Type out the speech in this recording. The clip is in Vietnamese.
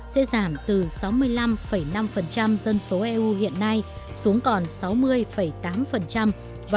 sẽ giảm từ sáu mươi năm năm dân số eu hiện nay xuống còn sáu mươi tám vào năm hai nghìn ba mươi tương đương với ba mươi triệu người